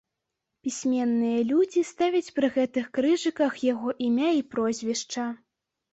Пісьменныя людзі ставяць пры гэтых крыжыках яго імя і прозвішча.